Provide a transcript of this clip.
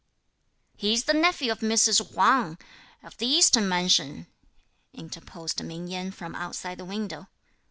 "He's the nephew of Mrs. Huang, of the Eastern mansion," interposed Ming Yen from outside the window.